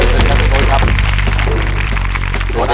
สวัสดีครับคุณโอ๊ตครับ